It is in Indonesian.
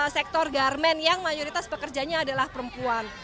sektor garmen yang mayoritas pekerjanya adalah perempuan